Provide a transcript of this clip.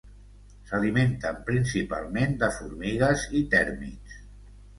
S'alimenten principalment de formigues i tèrmits.